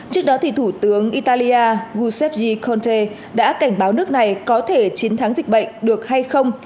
trước đó thì thủ tướng italia giusepgie conte đã cảnh báo nước này có thể chiến thắng dịch bệnh được hay không